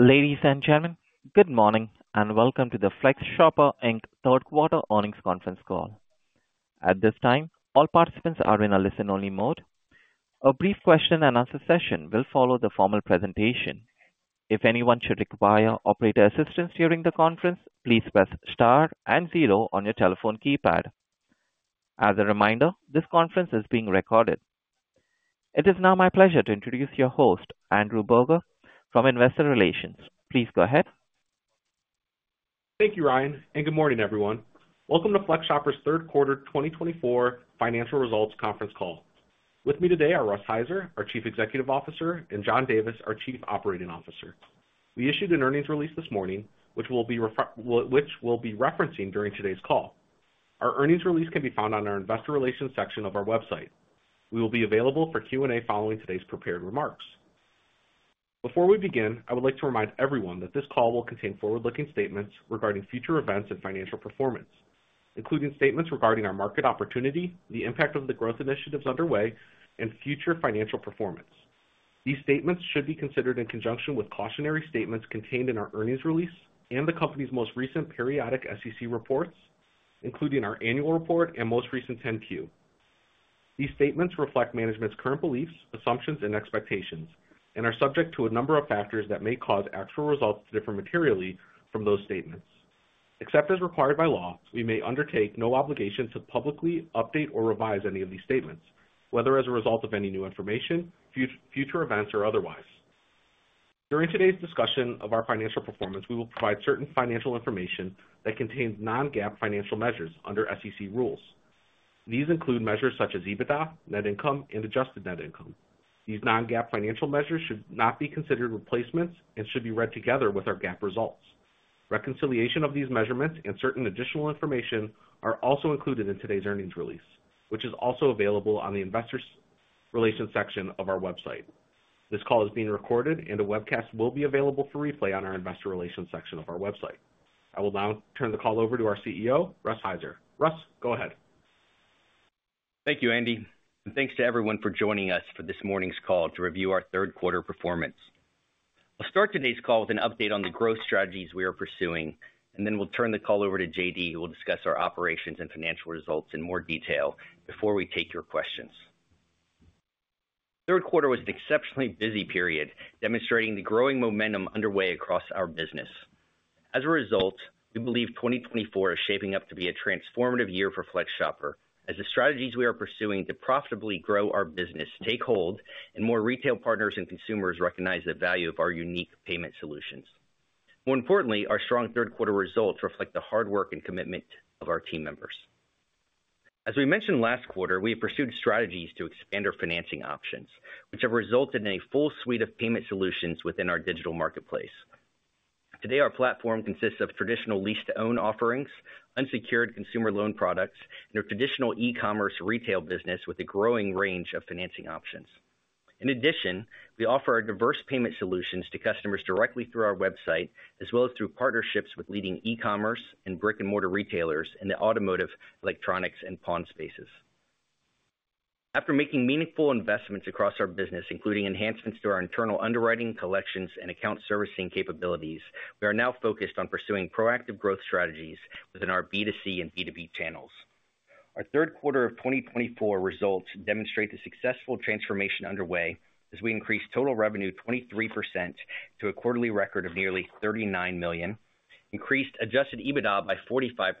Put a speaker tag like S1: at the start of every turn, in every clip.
S1: Ladies and gentlemen, good morning and welcome to the FlexShopper, Inc. third quarter earnings conference call. At this time, all participants are in a listen-only mode. A brief question-and-answer session will follow the formal presentation. If anyone should require operator assistance during the conference, please press star and zero on your telephone keypad. As a reminder, this conference is being recorded. It is now my pleasure to introduce your host, Andrew Berger, from Investor Relations. Please go ahead.
S2: Thank you, Ryan, and good morning, everyone. Welcome to FlexShopper's third quarter 2024 financial results conference call. With me today are Russ Heiser, our Chief Executive Officer, and John Davis, our Chief Operating Officer. We issued an earnings release this morning, which we'll be referencing during today's call. Our earnings release can be found on our Investor Relations section of our website. We will be available for Q&A following today's prepared remarks. Before we begin, I would like to remind everyone that this call will contain forward-looking statements regarding future events and financial performance, including statements regarding our market opportunity, the impact of the growth initiatives underway, and future financial performance. These statements should be considered in conjunction with cautionary statements contained in our earnings release and the company's most recent periodic SEC reports, including our annual report and most recent 10-Q. These statements reflect management's current beliefs, assumptions, and expectations, and are subject to a number of factors that may cause actual results to differ materially from those statements. Except as required by law, we may undertake no obligation to publicly update or revise any of these statements, whether as a result of any new information, future events, or otherwise. During today's discussion of our financial performance, we will provide certain financial information that contains non-GAAP financial measures under SEC rules. These include measures such as EBITDA, net income, and adjusted net income. These non-GAAP financial measures should not be considered replacements and should be read together with our GAAP results. Reconciliation of these measurements and certain additional information are also included in today's earnings release, which is also available on the Investor Relations section of our website. This call is being recorded, and a webcast will be available for replay on our Investor Relations section of our website. I will now turn the call over to our CEO, Russ Heiser. Russ, go ahead.
S3: Thank you, Andy. And thanks to everyone for joining us for this morning's call to review our third quarter performance. I'll start today's call with an update on the growth strategies we are pursuing, and then we'll turn the call over to JD, who will discuss our operations and financial results in more detail before we take your questions. Third quarter was an exceptionally busy period, demonstrating the growing momentum underway across our business. As a result, we believe 2024 is shaping up to be a transformative year for FlexShopper, as the strategies we are pursuing to profitably grow our business take hold, and more retail partners and consumers recognize the value of our unique payment solutions. More importantly, our strong third quarter results reflect the hard work and commitment of our team members. As we mentioned last quarter, we have pursued strategies to expand our financing options, which have resulted in a full suite of payment solutions within our digital marketplace. Today, our platform consists of traditional lease-to-own offerings, unsecured consumer loan products, and our traditional e-commerce retail business with a growing range of financing options. In addition, we offer our diverse payment solutions to customers directly through our website, as well as through partnerships with leading e-commerce and brick-and-mortar retailers in the automotive, electronics, and pawn spaces. After making meaningful investments across our business, including enhancements to our internal underwriting, collections, and account servicing capabilities, we are now focused on pursuing proactive growth strategies within our B2C and B2B channels. Our third quarter of 2024 results demonstrate the successful transformation underway, as we increased total revenue 23% to a quarterly record of nearly $39 million, increased adjusted EBITDA by 45%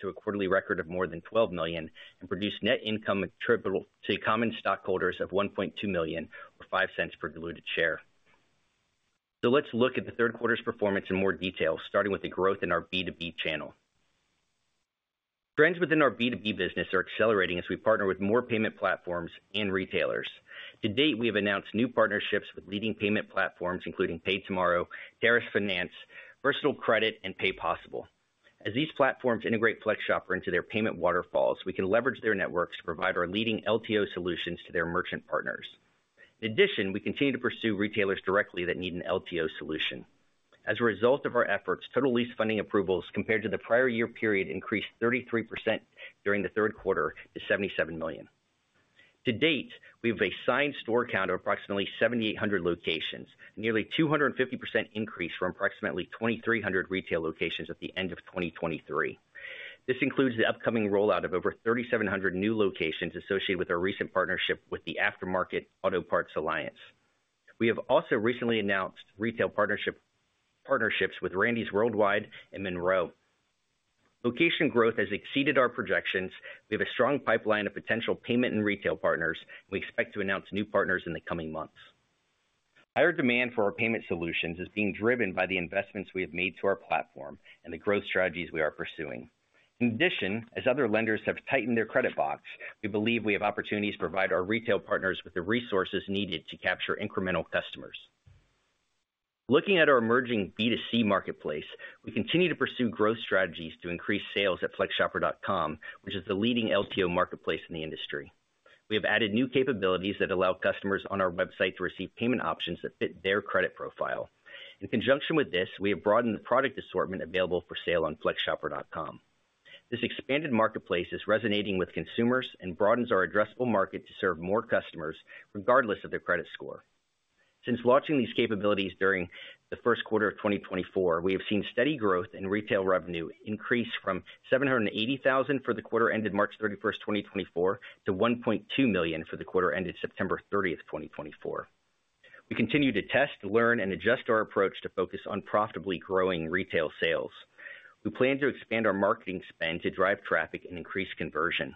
S3: to a quarterly record of more than $12 million, and produced net income attributable to common stockholders of $1.2 million, or $0.05 per diluted share. So let's look at the third quarter's performance in more detail, starting with the growth in our B2B channel. Trends within our B2B business are accelerating as we partner with more payment platforms and retailers. To date, we have announced new partnerships with leading payment platforms, including PayTomorrow, Terrace Finance, Versatile Credit, and PayPossible. As these platforms integrate FlexShopper into their payment waterfalls, we can leverage their networks to provide our leading LTO solutions to their merchant partners. In addition, we continue to pursue retailers directly that need an LTO solution. As a result of our efforts, total lease funding approvals compared to the prior year period increased 33% during the third quarter to $77 million. To date, we have a signed store count of approximately 7,800 locations, a nearly 250% increase from approximately 2,300 retail locations at the end of 2023. This includes the upcoming rollout of over 3,700 new locations associated with our recent partnership with the Aftermarket Auto Parts Alliance. We have also recently announced retail partnerships with RANDYS Worldwide and Monro. Location growth has exceeded our projections. We have a strong pipeline of potential payment and retail partners, and we expect to announce new partners in the coming months. Higher demand for our payment solutions is being driven by the investments we have made to our platform and the growth strategies we are pursuing. In addition, as other lenders have tightened their credit box, we believe we have opportunities to provide our retail partners with the resources needed to capture incremental customers. Looking at our emerging B2C marketplace, we continue to pursue growth strategies to increase sales at flexshopper.com, which is the leading LTO marketplace in the industry. We have added new capabilities that allow customers on our website to receive payment options that fit their credit profile. In conjunction with this, we have broadened the product assortment available for sale on flexshopper.com. This expanded marketplace is resonating with consumers and broadens our addressable market to serve more customers, regardless of their credit score. Since launching these capabilities during the first quarter of 2024, we have seen steady growth in retail revenue increase from $780,000 for the quarter ended March 31st, 2024, to $1.2 million for the quarter ended September 30th, 2024. We continue to test, learn, and adjust our approach to focus on profitably growing retail sales. We plan to expand our marketing spend to drive traffic and increase conversion.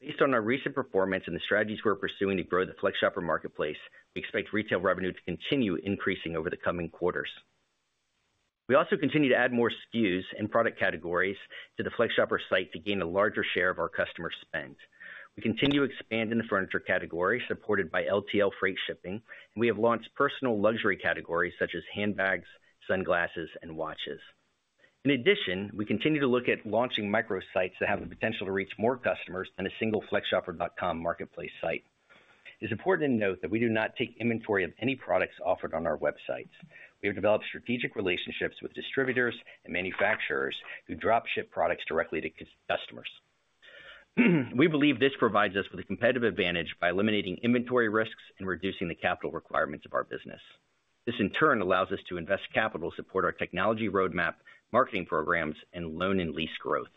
S3: Based on our recent performance and the strategies we're pursuing to grow the FlexShopper marketplace, we expect retail revenue to continue increasing over the coming quarters. We also continue to add more SKUs and product categories to the FlexShopper site to gain a larger share of our customer spend. We continue to expand in the furniture category, supported by LTL freight shipping, and we have launched personal luxury categories such as handbags, sunglasses, and watches. In addition, we continue to look at launching micro-sites that have the potential to reach more customers than a single flexshopper.com marketplace site. It is important to note that we do not take inventory of any products offered on our websites. We have developed strategic relationships with distributors and manufacturers who dropship products directly to customers. We believe this provides us with a competitive advantage by eliminating inventory risks and reducing the capital requirements of our business. This, in turn, allows us to invest capital to support our technology roadmap, marketing programs, and loan and lease growth.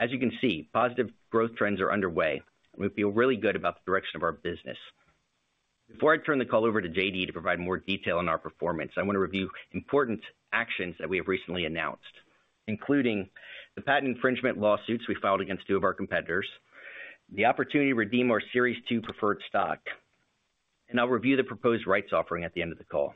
S3: As you can see, positive growth trends are underway, and we feel really good about the direction of our business. Before I turn the call over to JD to provide more detail on our performance, I want to review important actions that we have recently announced, including the patent infringement lawsuits we filed against two of our competitors, the opportunity to redeem our Series 2 Preferred Stock, and I'll review the proposed Rights Offering at the end of the call.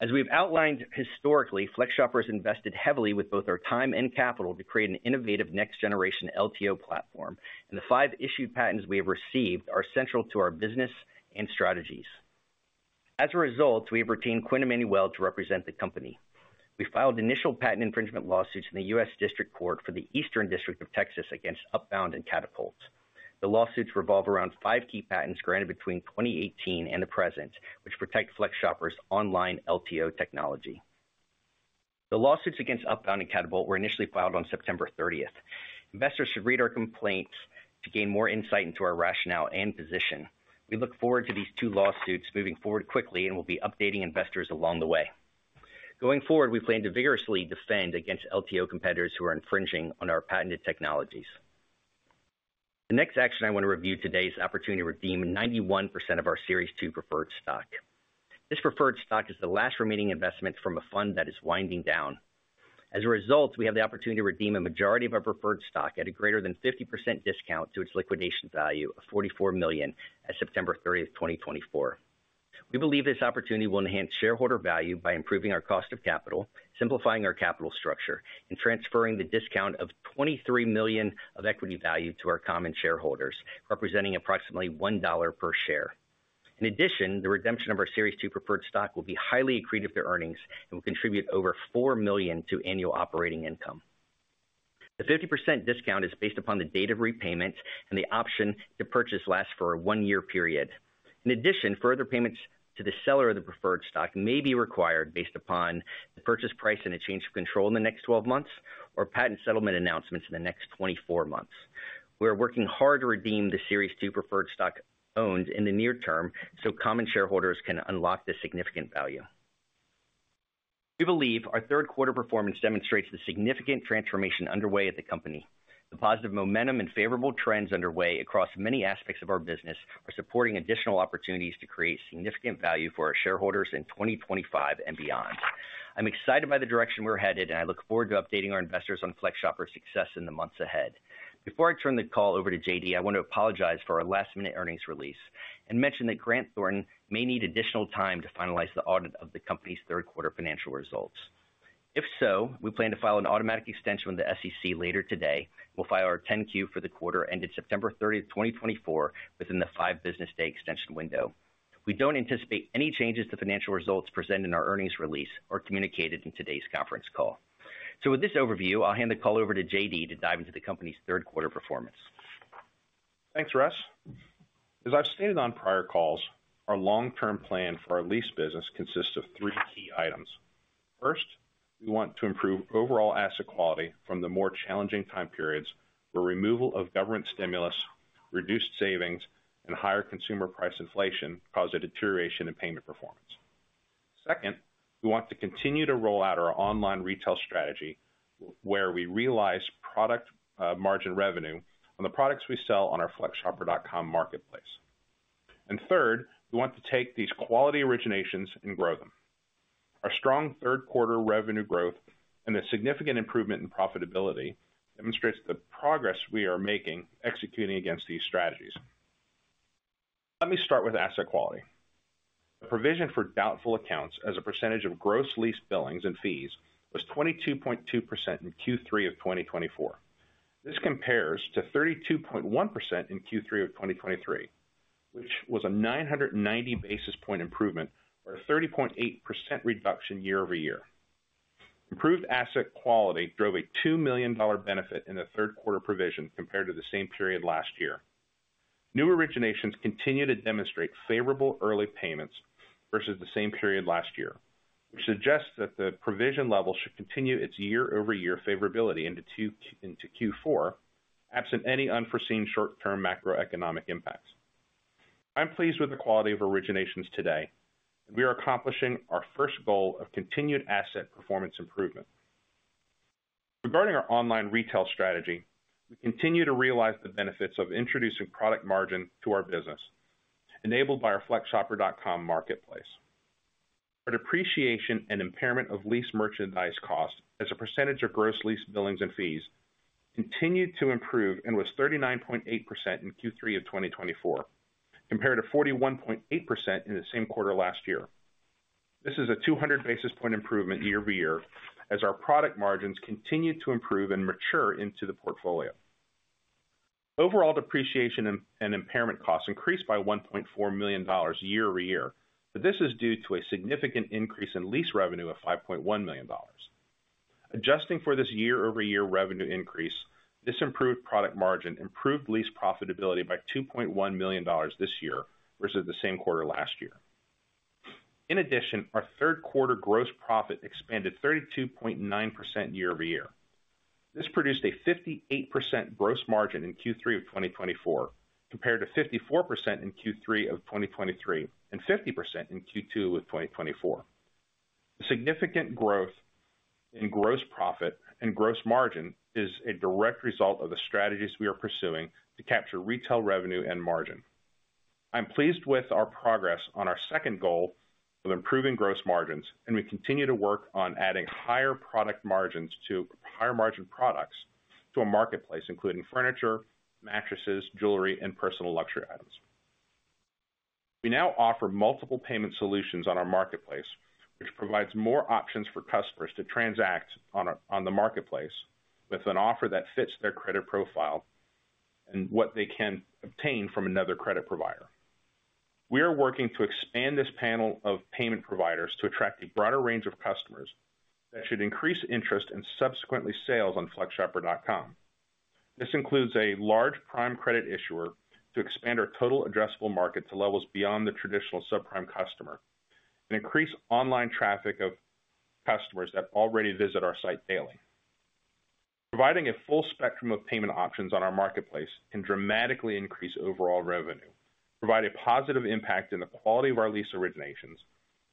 S3: As we've outlined historically, FlexShopper has invested heavily with both our time and capital to create an innovative next-generation LTO platform, and the five issued patents we have received are central to our business and strategies. As a result, we have retained Quinn Emanuel Urquhart & Sullivan to represent the company. We filed initial patent infringement lawsuits in the U.S. District Court for the Eastern District of Texas against Upbound and Katapult. The lawsuits revolve around five key patents granted between 2018 and the present, which protect FlexShopper's online LTO technology. The lawsuits against Upbound and Katapult were initially filed on September 30th. Investors should read our complaints to gain more insight into our rationale and position. We look forward to these two lawsuits moving forward quickly and will be updating investors along the way. Going forward, we plan to vigorously defend against LTO competitors who are infringing on our patented technologies. The next action I want to review today is the opportunity to redeem 91% of our Series 2 Preferred Stock. This preferred stock is the last remaining investment from a fund that is winding down. As a result, we have the opportunity to redeem a majority of our preferred stock at a greater than 50% discount to its liquidation value of $44 million as of September 30th, 2024. We believe this opportunity will enhance shareholder value by improving our cost of capital, simplifying our capital structure, and transferring the discount of $23 million of equity value to our common shareholders, representing approximately $1 per share. In addition, the redemption of our Series 2 Preferred Stock will be highly accretive to earnings and will contribute over $4 million to annual operating income. The 50% discount is based upon the date of repayment, and the option to purchase lasts for a one-year period. In addition, further payments to the seller of the preferred stock may be required based upon the purchase price and a change of control in the next 12 months or patent settlement announcements in the next 24 months. We are working hard to redeem the Series 2 Preferred Stock owned in the near term so common shareholders can unlock this significant value. We believe our third quarter performance demonstrates the significant transformation underway at the company. The positive momentum and favorable trends underway across many aspects of our business are supporting additional opportunities to create significant value for our shareholders in 2025 and beyond. I'm excited by the direction we're headed, and I look forward to updating our investors on FlexShopper's success in the months ahead. Before I turn the call over to JD, I want to apologize for our last-minute earnings release and mention that Grant Thornton may need additional time to finalize the audit of the company's third quarter financial results. If so, we plan to file an automatic extension with the SEC later today. We'll file our 10-Q for the quarter ended September 30th, 2024, within the five business day extension window. We don't anticipate any changes to financial results presented in our earnings release or communicated in today's conference call. So with this overview, I'll hand the call over to JD to dive into the company's third quarter performance.
S4: Thanks, Russ. As I've stated on prior calls, our long-term plan for our lease business consists of three key items. First, we want to improve overall asset quality from the more challenging time periods where removal of government stimulus, reduced savings, and higher consumer price inflation caused a deterioration in payment performance. Second, we want to continue to roll out our online retail strategy where we realize product margin revenue on the products we sell on our flexshopper.com marketplace. And third, we want to take these quality originations and grow them. Our strong third quarter revenue growth and the significant improvement in profitability demonstrates the progress we are making executing against these strategies. Let me start with asset quality. The provision for doubtful accounts as a percentage of gross lease billings and fees was 22.2% in Q3 of 2024. This compares to 32.1% in Q3 of 2023, which was a 990 basis points improvement or a 30.8% reduction year over year. Improved asset quality drove a $2 million benefit in the third quarter provision compared to the same period last year. New originations continue to demonstrate favorable early payments versus the same period last year, which suggests that the provision level should continue its year-over-year favorability into Q4, absent any unforeseen short-term macroeconomic impacts. I'm pleased with the quality of originations today, and we are accomplishing our first goal of continued asset performance improvement. Regarding our online retail strategy, we continue to realize the benefits of introducing product margin to our business, enabled by our flexshopper.com marketplace. Our depreciation and impairment of lease merchandise cost as a percentage of gross lease billings and fees continued to improve and was 39.8% in Q3 of 2024, compared to 41.8% in the same quarter last year. This is a 200 basis point improvement year over year as our product margins continue to improve and mature into the portfolio. Overall depreciation and impairment costs increased by $1.4 million year over year, but this is due to a significant increase in lease revenue of $5.1 million. Adjusting for this year-over-year revenue increase, this improved product margin improved lease profitability by $2.1 million this year versus the same quarter last year. In addition, our third quarter gross profit expanded 32.9% year over year. This produced a 58% gross margin in Q3 of 2024, compared to 54% in Q3 of 2023 and 50% in Q2 of 2024. The significant growth in gross profit and gross margin is a direct result of the strategies we are pursuing to capture retail revenue and margin. I'm pleased with our progress on our second goal of improving gross margins, and we continue to work on adding higher product margins to higher margin products to a marketplace, including furniture, mattresses, jewelry, and personal luxury items. We now offer multiple payment solutions on our marketplace, which provides more options for customers to transact on the marketplace with an offer that fits their credit profile and what they can obtain from another credit provider. We are working to expand this panel of payment providers to attract a broader range of customers that should increase interest and subsequently sales on flexshopper.com. This includes a large prime credit issuer to expand our total addressable market to levels beyond the traditional subprime customer and increase online traffic of customers that already visit our site daily. Providing a full spectrum of payment options on our marketplace can dramatically increase overall revenue, provide a positive impact in the quality of our lease originations,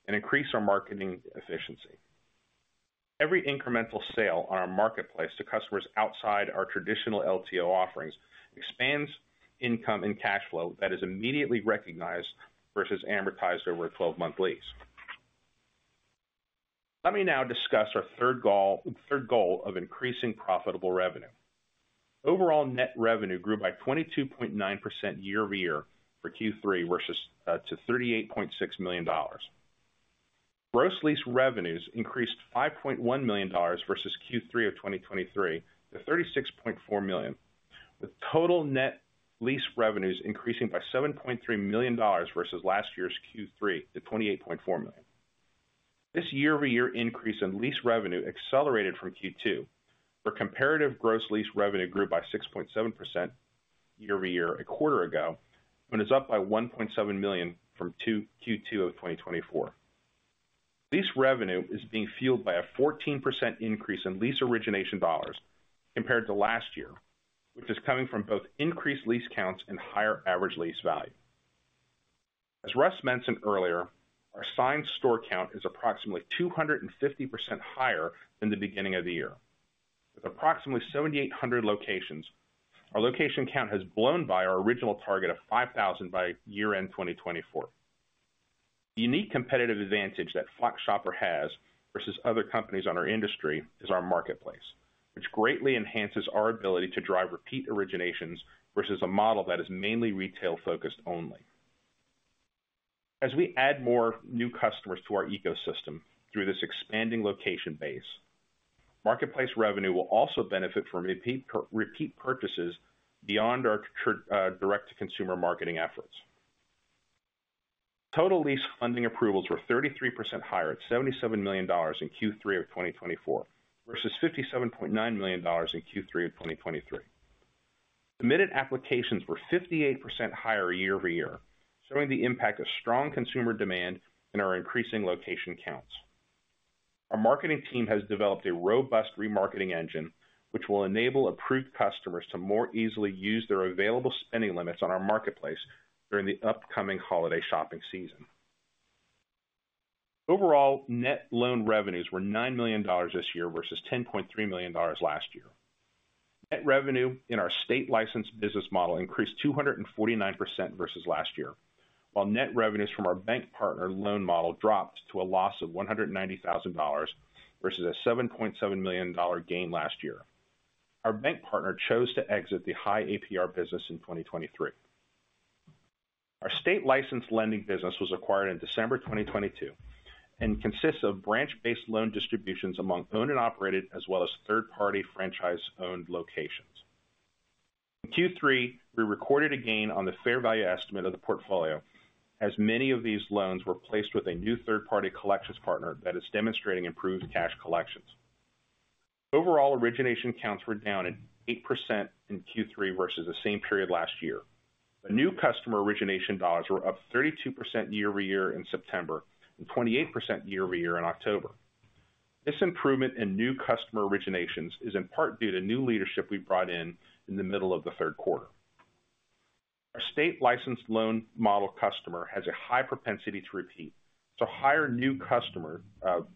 S4: and increase our marketing efficiency. Every incremental sale on our marketplace to customers outside our traditional LTO offerings expands income and cash flow that is immediately recognized versus amortized over a 12-month lease. Let me now discuss our third goal of increasing profitable revenue. Overall net revenue grew by 22.9% year over year for Q3 versus to $38.6 million. Gross lease revenues increased $5.1 million versus Q3 of 2023 to $36.4 million, with total net lease revenues increasing by $7.3 million versus last year's Q3 to $28.4 million. This year-over-year increase in lease revenue accelerated from Q2, where comparative gross lease revenue grew by 6.7% year over year a quarter ago and is up by $1.7 million from Q2 of 2024. Lease revenue is being fueled by a 14% increase in lease origination dollars compared to last year, which is coming from both increased lease counts and higher average lease value. As Russ mentioned earlier, our signed store count is approximately 250% higher than the beginning of the year. With approximately 7,800 locations, our location count has blown by our original target of 5,000 by year-end 2024. The unique competitive advantage that FlexShopper has versus other companies in our industry is our marketplace, which greatly enhances our ability to drive repeat originations versus a model that is mainly retail-focused only. As we add more new customers to our ecosystem through this expanding location base, marketplace revenue will also benefit from repeat purchases beyond our direct-to-consumer marketing efforts. Total lease funding approvals were 33% higher at $77 million in Q3 of 2024 versus $57.9 million in Q3 of 2023. Submitted applications were 58% higher year over year, showing the impact of strong consumer demand and our increasing location counts. Our marketing team has developed a robust remarketing engine, which will enable approved customers to more easily use their available spending limits on our marketplace during the upcoming holiday shopping season. Overall, net loan revenues were $9 million this year versus $10.3 million last year. Net revenue in our state-licensed business model increased 249% versus last year, while net revenues from our bank partner loan model dropped to a loss of $190,000 versus a $7.7 million gain last year. Our bank partner chose to exit the high APR business in 2023. Our state-licensed lending business was acquired in December 2022 and consists of branch-based loan distributions among owned and operated as well as third-party franchise-owned locations. In Q3, we recorded a gain on the fair value estimate of the portfolio as many of these loans were placed with a new third-party collections partner that is demonstrating improved cash collections. Overall origination counts were down at 8% in Q3 versus the same period last year. The new customer origination dollars were up 32% year over year in September and 28% year over year in October. This improvement in new customer originations is in part due to new leadership we brought in in the middle of the third quarter. Our state-licensed loan model customer has a high propensity to repeat, so higher new customer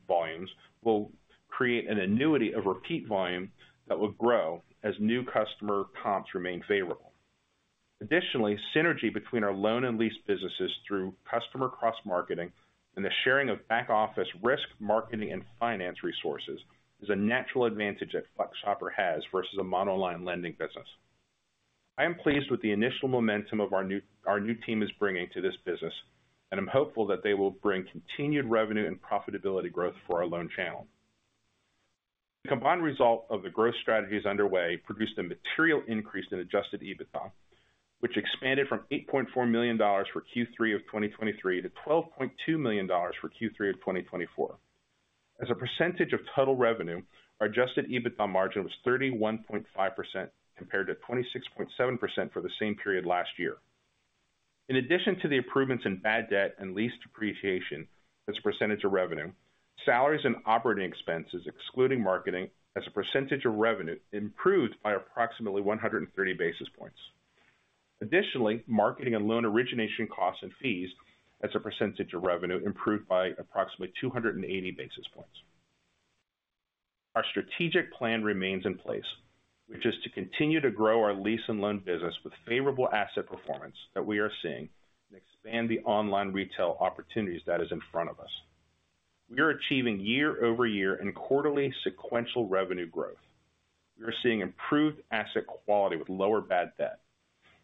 S4: volumes will create an annuity of repeat volume that will grow as new customer comps remain favorable. Additionally, synergy between our loan and lease businesses through customer cross-marketing and the sharing of back-office risk marketing and finance resources is a natural advantage that FlexShopper has versus a monoline lending business. I am pleased with the initial momentum our new team is bringing to this business, and I'm hopeful that they will bring continued revenue and profitability growth for our loan channel. The combined result of the growth strategies underway produced a material increase in Adjusted EBITDA, which expanded from $8.4 million for Q3 of 2023 to $12.2 million for Q3 of 2024. As a percentage of total revenue, our Adjusted EBITDA margin was 31.5% compared to 26.7% for the same period last year. In addition to the improvements in bad debt and lease depreciation as a percentage of revenue, salaries and operating expenses, excluding marketing, as a percentage of revenue improved by approximately 130 basis points. Additionally, marketing and loan origination costs and fees as a percentage of revenue improved by approximately 280 basis points. Our strategic plan remains in place, which is to continue to grow our lease and loan business with favorable asset performance that we are seeing and expand the online retail opportunities that are in front of us. We are achieving year-over-year and quarterly sequential revenue growth. We are seeing improved asset quality with lower bad debt.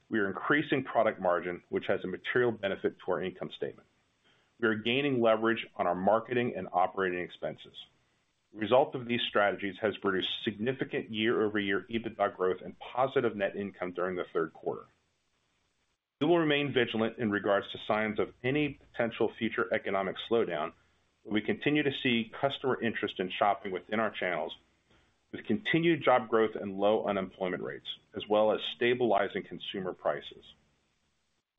S4: We are increasing product margin, which has a material benefit to our income statement. We are gaining leverage on our marketing and operating expenses. The result of these strategies has produced significant year-over-year EBITDA growth and positive net income during the third quarter. We will remain vigilant in regards to signs of any potential future economic slowdown when we continue to see customer interest in shopping within our channels, with continued job growth and low unemployment rates, as well as stabilizing consumer prices.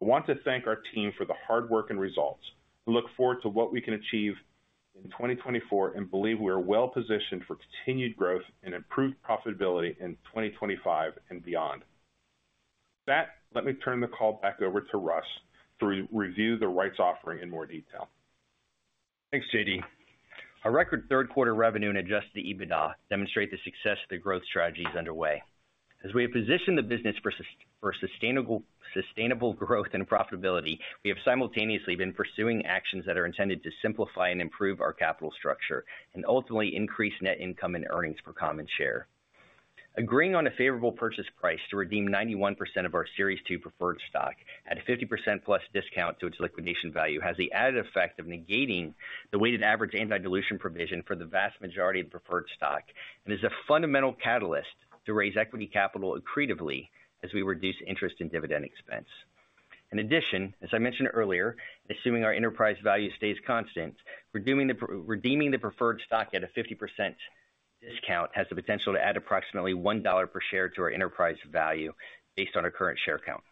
S4: I want to thank our team for the hard work and results. We look forward to what we can achieve in 2024 and believe we are well-positioned for continued growth and improved profitability in 2025 and beyond. With that, let me turn the call back over to Russ to review the rights offering in more detail.
S3: Thanks, JD. Our record third-quarter revenue and Adjusted EBITDA demonstrate the success of the growth strategies underway. As we have positioned the business for sustainable growth and profitability, we have simultaneously been pursuing actions that are intended to simplify and improve our capital structure and ultimately increase net income and earnings per common share. Agreeing on a favorable purchase price to redeem 91% of our Series 2 Preferred Stock at a 50%-plus discount to its liquidation value has the added effect of negating the weighted average Anti-dilution Provision for the vast majority of the preferred stock and is a fundamental catalyst to raise equity capital accretively as we reduce interest and dividend expense. In addition, as I mentioned earlier, assuming our enterprise value stays constant, redeeming the preferred stock at a 50% discount has the potential to add approximately $1 per share to our enterprise value based on our current share count.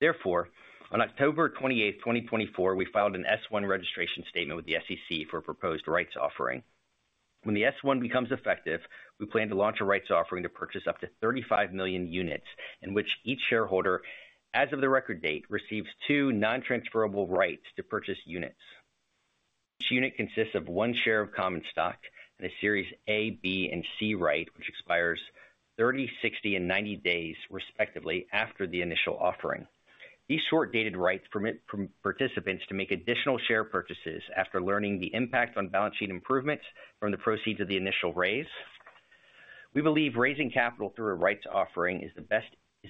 S3: Therefore, on October 28, 2024, we filed an S-1 registration statement with the SEC for a proposed rights offering. When the S-1 becomes effective, we plan to launch a rights offering to purchase up to 35 million units, in which each shareholder, as of the record date, receives two non-transferable rights to purchase units. Each unit consists of one share of common stock and a Series A, B, and C right, which expires 30, 60, and 90 days, respectively, after the initial offering. These short-dated rights permit participants to make additional share purchases after learning the impact on balance sheet improvements from the proceeds of the initial raise. We believe raising capital through a rights offering is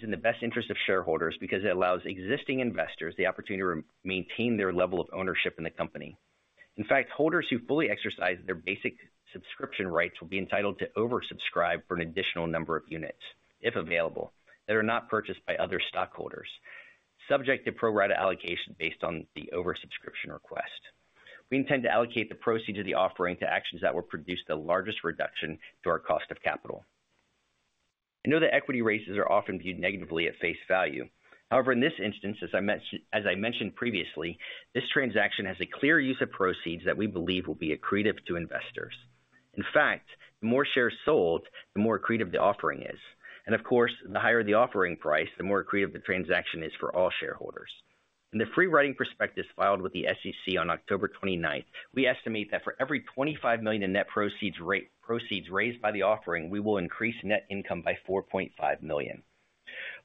S3: in the best interest of shareholders because it allows existing investors the opportunity to maintain their level of ownership in the company. In fact, holders who fully exercise their basic subscription rights will be entitled to oversubscribe for an additional number of units, if available, that are not purchased by other stockholders, subject to pro-rata allocation based on the oversubscription request. We intend to allocate the proceeds of the offering to actions that will produce the largest reduction to our cost of capital. I know that equity raises are often viewed negatively at face value. However, in this instance, as I mentioned previously, this transaction has a clear use of proceeds that we believe will be accretive to investors. In fact, the more shares sold, the more accretive the offering is. Of course, the higher the offering price, the more accretive the transaction is for all shareholders. In the free writing prospectus filed with the SEC on October 29, we estimate that for every $25 million in net proceeds raised by the offering, we will increase net income by $4.5 million.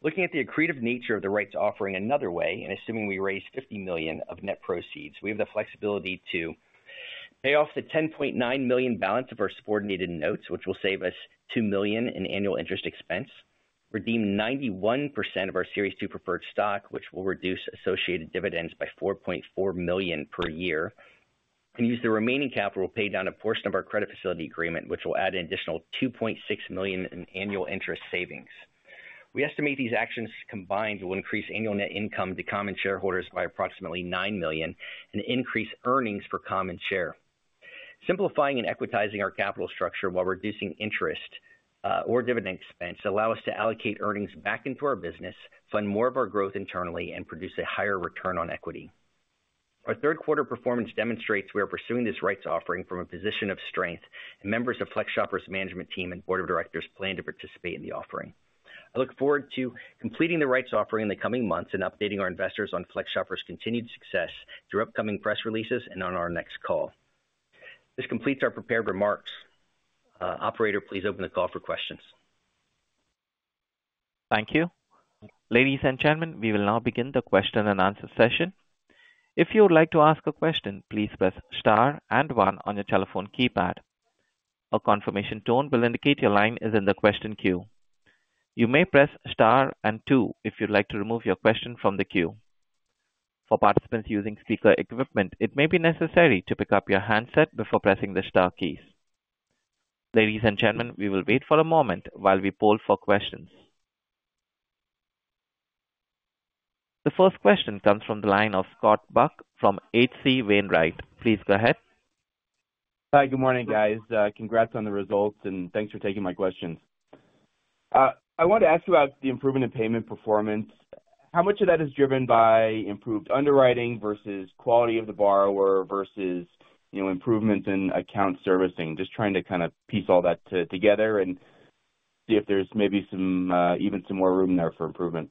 S3: Looking at the accretive nature of the rights offering another way, and assuming we raise $50 million of net proceeds, we have the flexibility to pay off the $10.9 million balance of our subordinated notes, which will save us $2 million in annual interest expense, redeem 91% of our Series 2 Preferred Stock, which will reduce associated dividends by $4.4 million per year, and use the remaining capital to pay down a portion of our credit facility agreement, which will add an additional $2.6 million in annual interest savings. We estimate these actions combined will increase annual net income to common shareholders by approximately $9 million and increase earnings for common share. Simplifying and equitizing our capital structure while reducing interest or dividend expense allows us to allocate earnings back into our business, fund more of our growth internally, and produce a higher return on equity. Our third-quarter performance demonstrates we are pursuing this rights offering from a position of strength, and members of FlexShopper's management team and board of directors plan to participate in the offering. I look forward to completing the rights offering in the coming months and updating our investors on FlexShopper's continued success through upcoming press releases and on our next call. This completes our prepared remarks. Operator, please open the call for questions.
S1: Thank you. Ladies and gentlemen, we will now begin the question and answer session. If you would like to ask a question, please press star and 1 on your telephone keypad. A confirmation tone will indicate your line is in the question queue. You may press star and 2 if you'd like to remove your question from the queue. For participants using speaker equipment, it may be necessary to pick up your handset before pressing the star keys. Ladies and gentlemen, we will wait for a moment while we poll for questions. The first question comes from the line of Scott Buck from H.C. Wainwright. Please go ahead.
S5: Hi, good morning, guys. Congrats on the results, and thanks for taking my questions. I wanted to ask you about the improvement in payment performance. How much of that is driven by improved underwriting versus quality of the borrower versus improvements in account servicing? Just trying to kind of piece all that together and see if there's maybe even some more room there for improvement.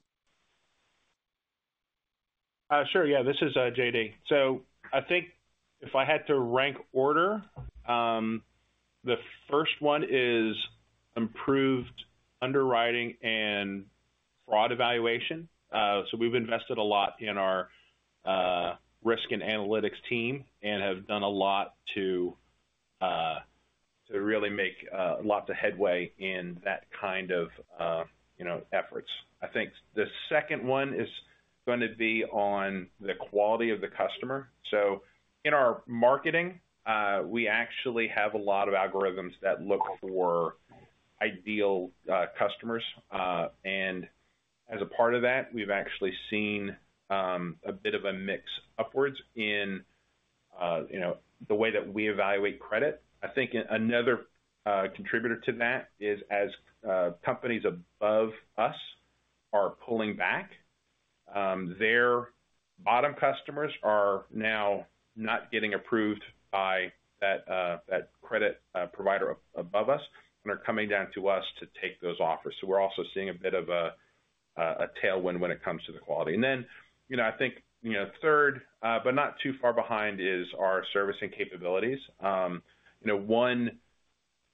S4: Sure, yeah. This is JD. So I think if I had to rank order, the first one is improved underwriting and fraud evaluation. So we've invested a lot in our risk and analytics team and have done a lot to really make a lot of headway in that kind of efforts. I think the second one is going to be on the quality of the customer. So in our marketing, we actually have a lot of algorithms that look for ideal customers. And as a part of that, we've actually seen a bit of a mix upwards in the way that we evaluate credit. I think another contributor to that is as companies above us are pulling back, their bottom customers are now not getting approved by that credit provider above us and are coming down to us to take those offers. We're also seeing a bit of a tailwind when it comes to the quality. I think third, but not too far behind, is our servicing capabilities. One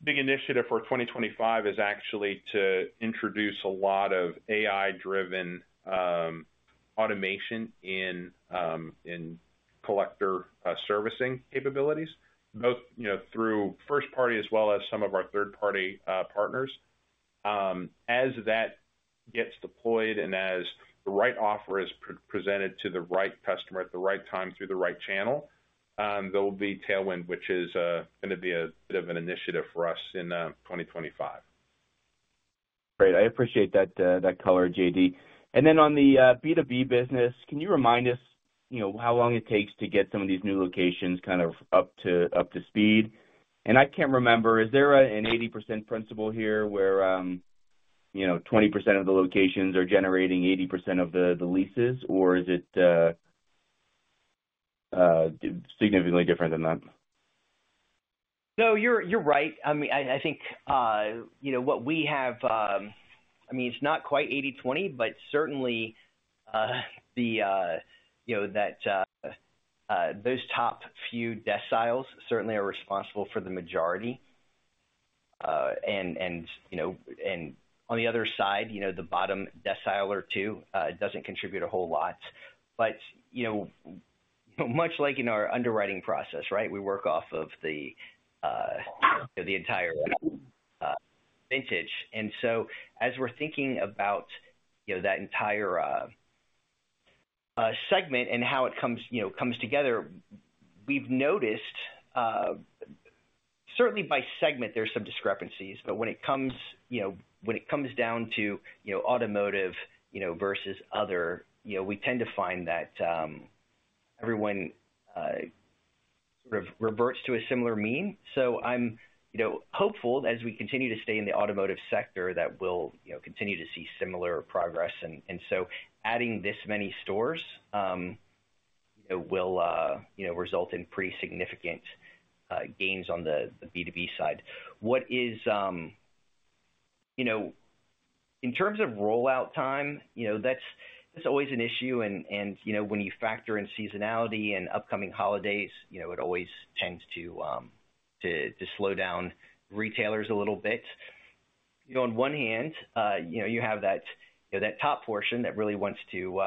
S4: big initiative for 2025 is actually to introduce a lot of AI-driven automation in collector servicing capabilities, both through first-party as well as some of our third-party partners. As that gets deployed and as the right offer is presented to the right customer at the right time through the right channel, there will be tailwind, which is going to be a bit of an initiative for us in 2025.
S5: Great. I appreciate that color, JD. And then on the B2B business, can you remind us how long it takes to get some of these new locations kind of up to speed? And I can't remember. Is there an 80% principle here where 20% of the locations are generating 80% of the leases, or is it significantly different than that?
S3: No, you're right. I mean, I think what we have, I mean, it's not quite 80/20, but certainly that those top few deciles certainly are responsible for the majority. And on the other side, the bottom decile or two doesn't contribute a whole lot. But much like in our underwriting process, right, we work off of the entire vintage. And so as we're thinking about that entire segment and how it comes together, we've noticed certainly by segment, there's some discrepancies. But when it comes down to automotive versus other, we tend to find that everyone sort of reverts to a similar mean. So I'm hopeful that as we continue to stay in the automotive sector, that we'll continue to see similar progress. And so adding this many stores will result in pretty significant gains on the B2B side. In terms of rollout time, that's always an issue. When you factor in seasonality and upcoming holidays, it always tends to slow down retailers a little bit. On one hand, you have that top portion that really wants to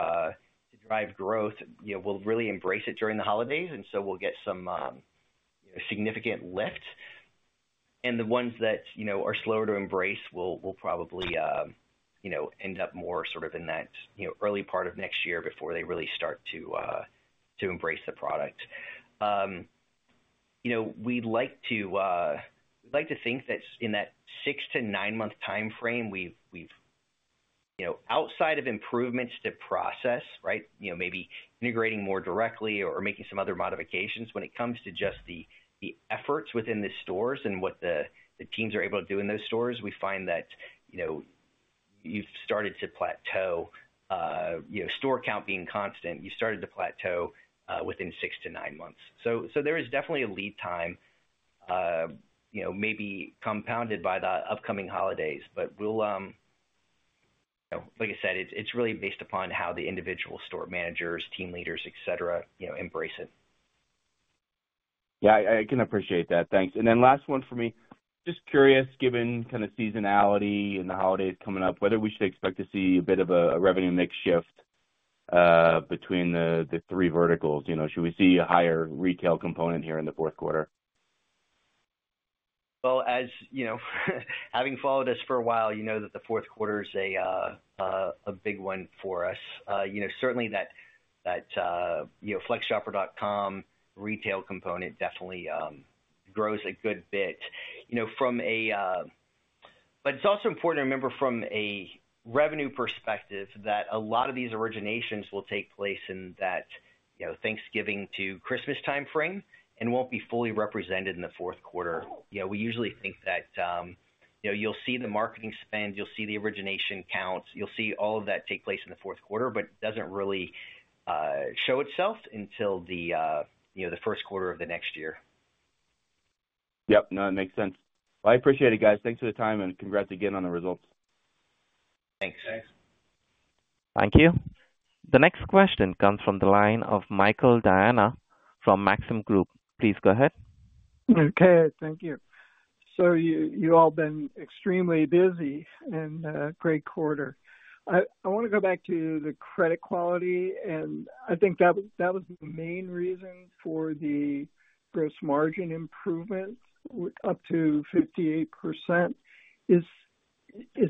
S3: drive growth. We'll really embrace it during the holidays, and so we'll get some significant lift. The ones that are slower to embrace will probably end up more sort of in that early part of next year before they really start to embrace the product. We'd like to think that in that six to nine-month time frame, we've, outside of improvements to process, right, maybe integrating more directly or making some other modifications, when it comes to just the efforts within the stores and what the teams are able to do in those stores, we find that you've started to plateau, store count being constant, you've started to plateau within six to nine months. So there is definitely a lead time, maybe compounded by the upcoming holidays. But like I said, it's really based upon how the individual store managers, team leaders, etc., embrace it.
S5: Yeah, I can appreciate that. Thanks. And then last one for me. Just curious, given kind of seasonality and the holidays coming up, whether we should expect to see a bit of a revenue mix shift between the three verticals. Should we see a higher retail component here in the fourth quarter?
S3: As having followed us for a while, you know that the fourth quarter is a big one for us. Certainly, that flexshopper.com retail component definitely grows a good bit. But it's also important to remember from a revenue perspective that a lot of these originations will take place in that Thanksgiving to Christmas time frame and won't be fully represented in the fourth quarter. We usually think that you'll see the marketing spend, you'll see the origination counts, you'll see all of that take place in the fourth quarter, but it doesn't really show itself until the first quarter of the next year.
S5: Yep. No, that makes sense. Well, I appreciate it, guys. Thanks for the time, and congrats again on the results.
S3: Thanks.
S4: Thanks.
S1: Thank you. The next question comes from the line of Michael Diana from Maxim Group. Please go ahead.
S6: Okay. Thank you. So you've all been extremely busy in the great quarter. I want to go back to the credit quality, and I think that was the main reason for the gross margin improvement up to 58%. Is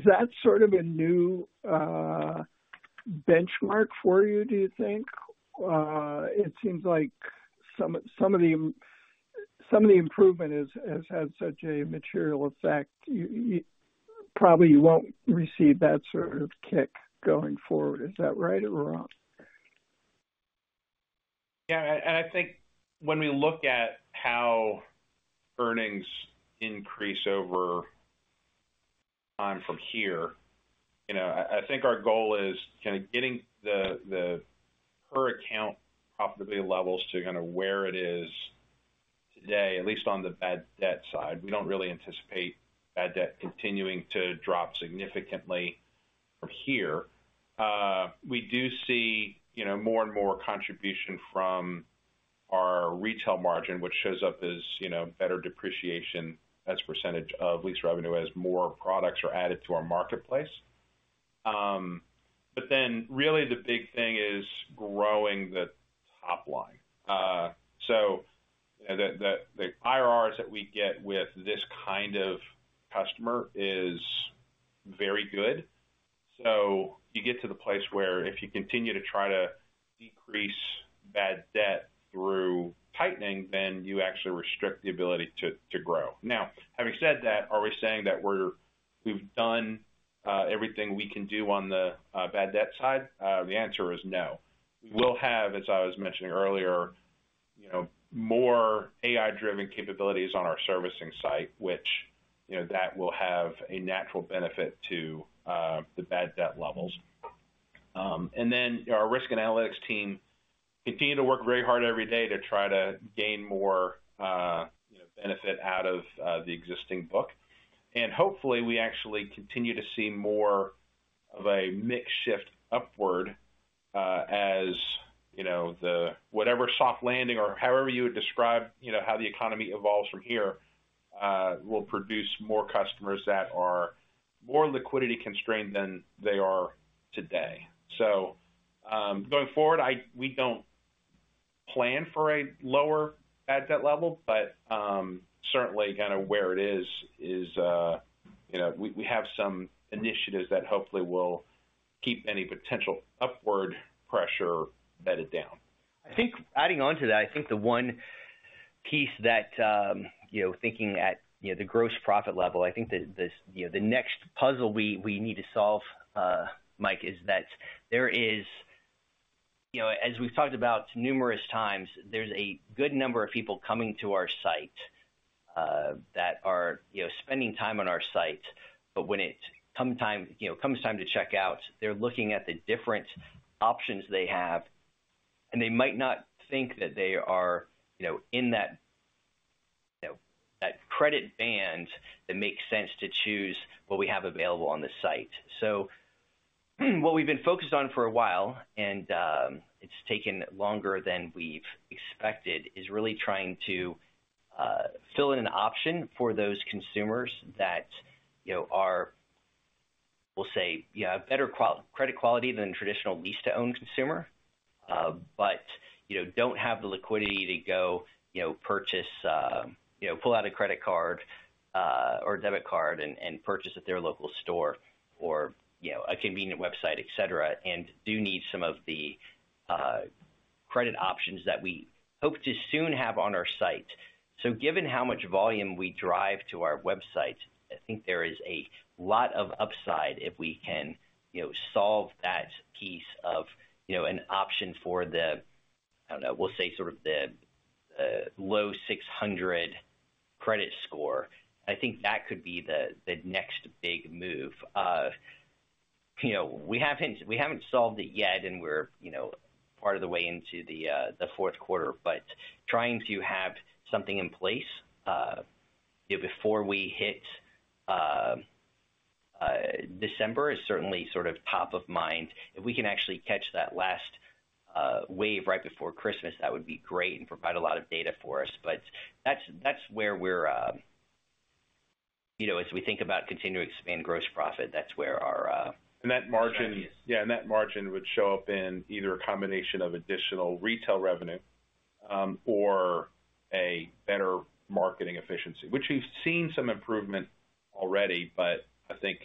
S6: that sort of a new benchmark for you, do you think? It seems like some of the improvement has had such a material effect. Probably you won't receive that sort of kick going forward. Is that right or wrong?
S4: Yeah. And I think when we look at how earnings increase over time from here, I think our goal is kind of getting the per-account profitability levels to kind of where it is today, at least on the bad debt side. We don't really anticipate bad debt continuing to drop significantly from here. We do see more and more contribution from our retail margin, which shows up as better depreciation as a percentage of lease revenue as more products are added to our marketplace. But then really the big thing is growing the top line. So the IRRs that we get with this kind of customer is very good. So you get to the place where if you continue to try to decrease bad debt through tightening, then you actually restrict the ability to grow. Now, having said that, are we saying that we've done everything we can do on the bad debt side? The answer is no. We will have, as I was mentioning earlier, more AI-driven capabilities on our servicing site, which will have a natural benefit to the bad debt levels, and then our risk analytics team continues to work very hard every day to try to gain more benefit out of the existing book, and hopefully, we actually continue to see more of a mix shift upward as whatever soft landing or however you would describe how the economy evolves from here will produce more customers that are more liquidity constrained than they are today, so going forward, we don't plan for a lower bad debt level, but certainly kind of where it is, we have some initiatives that hopefully will keep any potential upward pressure bedded down.
S3: I think adding on to that, I think the one piece that thinking at the gross profit level, I think the next puzzle we need to solve, Mike, is that there is, as we've talked about numerous times, there's a good number of people coming to our site that are spending time on our site. But when it comes time to check out, they're looking at the different options they have, and they might not think that they are in that credit band that makes sense to choose what we have available on the site. So what we've been focused on for a while, and it's taken longer than we've expected, is really trying to fill in an option for those consumers that are, we'll say, better credit quality than a traditional lease-to-own consumer, but don't have the liquidity to go purchase, pull out a credit card or debit card, and purchase at their local store or a convenient website, etc., and do need some of the credit options that we hope to soon have on our site. So given how much volume we drive to our website, I think there is a lot of upside if we can solve that piece of an option for the, I don't know, we'll say sort of the low 600 credit score. I think that could be the next big move. We haven't solved it yet, and we're part of the way into the fourth quarter, but trying to have something in place before we hit December is certainly sort of top of mind. If we can actually catch that last wave right before Christmas, that would be great and provide a lot of data for us. But that's where we're, as we think about continuing to expand gross profit, that's where our target is.
S4: That margin, yeah, would show up in either a combination of additional retail revenue or a better marketing efficiency, which we've seen some improvement already, but I think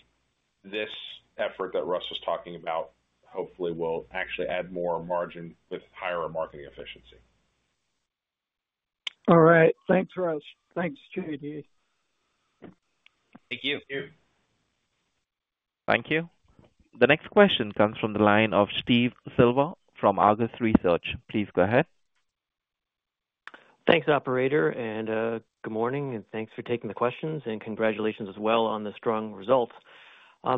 S4: this effort that Russ was talking about hopefully will actually add more margin with higher marketing efficiency.
S6: All right. Thanks, Russ. Thanks, JD.
S4: Thank you.
S1: Thank you. The next question comes from the line of Steve Silver from Argus Research. Please go ahead.
S7: Thanks, operator. And good morning, and thanks for taking the questions, and congratulations as well on the strong results. I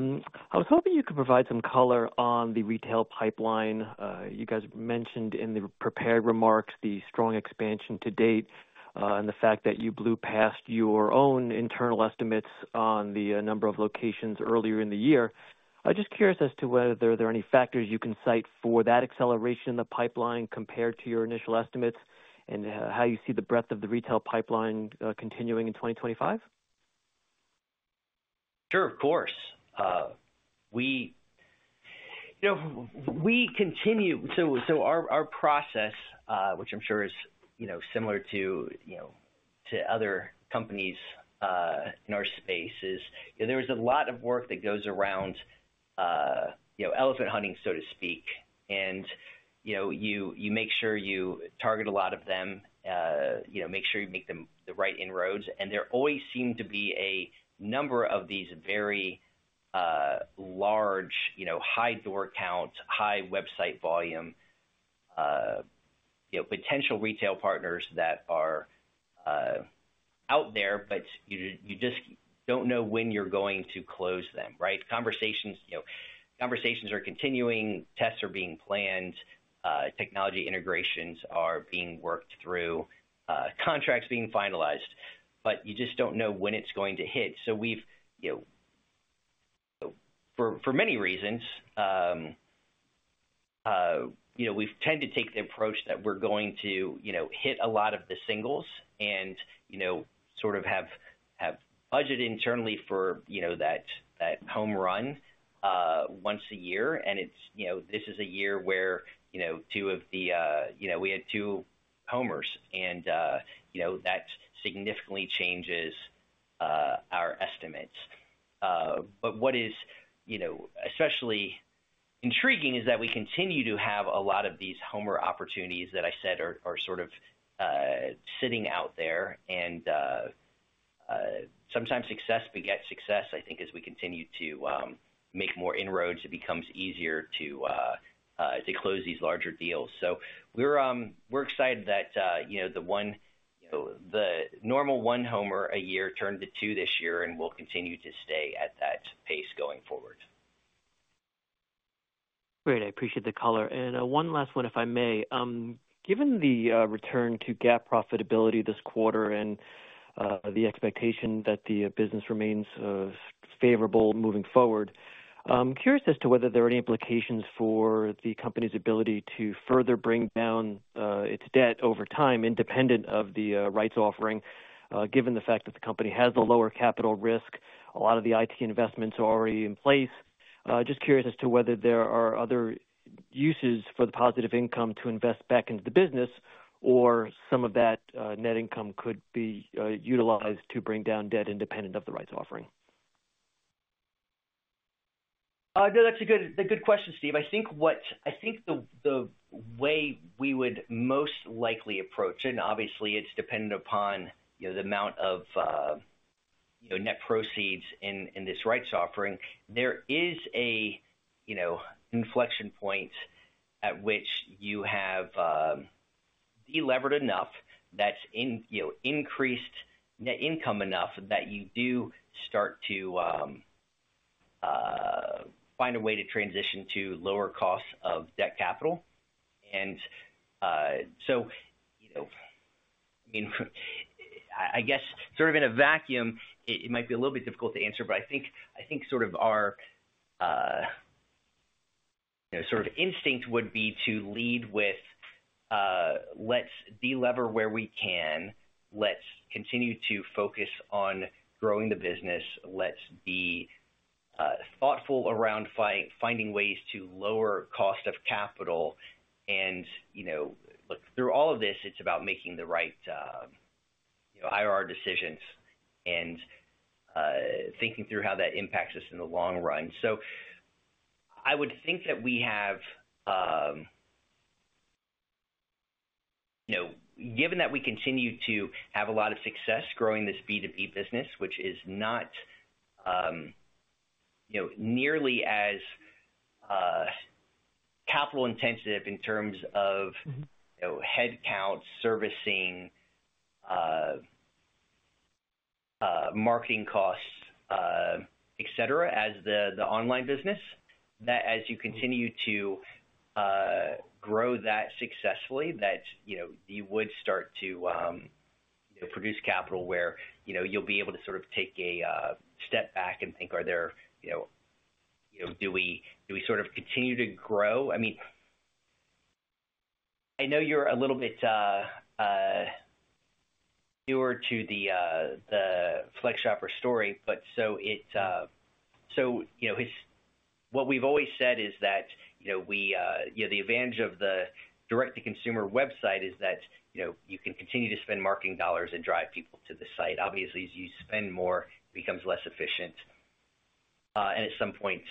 S7: was hoping you could provide some color on the retail pipeline. You guys mentioned in the prepared remarks the strong expansion to date and the fact that you blew past your own internal estimates on the number of locations earlier in the year. I'm just curious as to whether there are any factors you can cite for that acceleration in the pipeline compared to your initial estimates and how you see the breadth of the retail pipeline continuing in 2025.
S3: Sure, of course. We continue to, so our process, which I'm sure is similar to other companies in our space. There is a lot of work that goes around elephant hunting, so to speak, and you make sure you target a lot of them, make sure you make them the right inroads, and there always seem to be a number of these very large, high door count, high website volume potential retail partners that are out there, but you just don't know when you're going to close them, right? Conversations are continuing, tests are being planned, technology integrations are being worked through, contracts being finalized, but you just don't know when it's going to hit, so for many reasons, we've tended to take the approach that we're going to hit a lot of the singles and sort of have budget internally for that home run once a year. This is a year where two of the - we had two homers, and that significantly changes our estimates. What is especially intriguing is that we continue to have a lot of these homer opportunities that I said are sort of sitting out there. Sometimes success begets success, I think, as we continue to make more inroads. It becomes easier to close these larger deals. We're excited that the normal one homer a year turned to two this year, and we'll continue to stay at that pace going forward.
S7: Great. I appreciate the color. And one last one, if I may. Given the return to GAAP profitability this quarter and the expectation that the business remains favorable moving forward, I'm curious as to whether there are any implications for the company's ability to further bring down its debt over time independent of the rights offering, given the fact that the company has a lower capital risk, a lot of the IT investments are already in place. Just curious as to whether there are other uses for the positive income to invest back into the business, or some of that net income could be utilized to bring down debt independent of the rights offering.
S3: No, that's a good question, Steve. I think the way we would most likely approach, and obviously, it's dependent upon the amount of net proceeds in this rights offering, there is an inflection point at which you have de-levered enough that's increased net income enough that you do start to find a way to transition to lower costs of debt capital. And so I guess sort of in a vacuum, it might be a little bit difficult to answer, but I think sort of our instinct would be to lead with, "Let's deliver where we can. Let's continue to focus on growing the business. Let's be thoughtful around finding ways to lower cost of capital." And look, through all of this, it's about making the right IRR decisions and thinking through how that impacts us in the long run. So, I would think that we have, given that we continue to have a lot of success growing this B2B business, which is not nearly as capital-intensive in terms of headcount, servicing, marketing costs, etc., as the online business, that as you continue to grow that successfully, that you would start to produce capital where you'll be able to sort of take a step back and think, "Are there, do we sort of continue to grow?" I mean, I know you're a little bit newer to the FlexShopper story, but so what we've always said is that the advantage of the direct-to-consumer website is that you can continue to spend marketing dollars and drive people to the site. Obviously, as you spend more, it becomes less efficient. And at some point,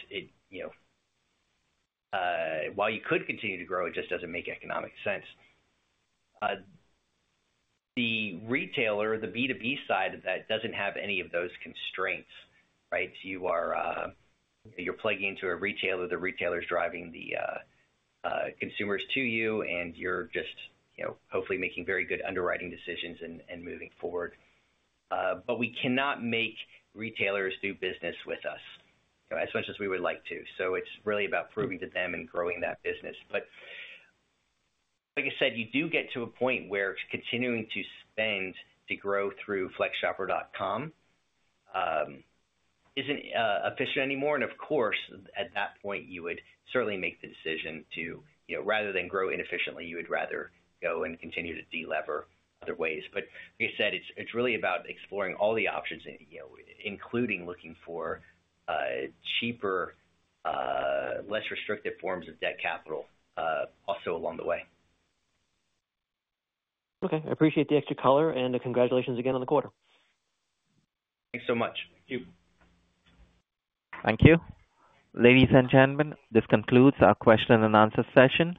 S3: while you could continue to grow, it just doesn't make economic sense. The retailer, the B2B side of that, doesn't have any of those constraints, right? You're plugging into a retailer. The retailer's driving the consumers to you, and you're just hopefully making very good underwriting decisions and moving forward. But we cannot make retailers do business with us as much as we would like to. So it's really about proving to them and growing that business. But like I said, you do get to a point where continuing to spend to grow through flexshopper.com isn't efficient anymore. And of course, at that point, you would certainly make the decision to, rather than grow inefficiently, you would rather go and continue to deliver other ways. But like I said, it's really about exploring all the options, including looking for cheaper, less restrictive forms of debt capital also along the way.
S7: Okay. I appreciate the extra color, and congratulations again on the quarter.
S3: Thanks so much.
S1: Thank you. Ladies and gentlemen, this concludes our question and answer session.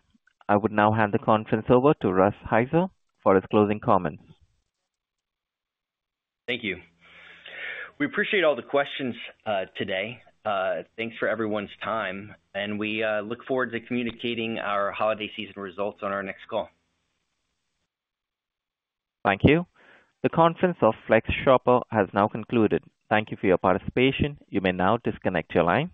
S1: I would now hand the conference over to Russ Heiser for his closing comments.
S3: Thank you. We appreciate all the questions today. Thanks for everyone's time, and we look forward to communicating our holiday season results on our next call.
S1: Thank you. The conference of FlexShopper has now concluded. Thank you for your participation. You may now disconnect your line.